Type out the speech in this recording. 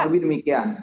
pak ibu demikian